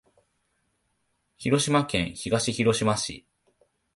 広島県東広島市